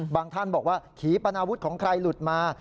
ท่านบอกว่าขี่ปนาวุธของใครหลุดมา